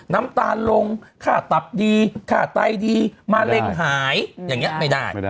น้ำตาลลงค่าตับดีค่าไตดีมะเร็งหายอย่างนี้ไม่ได้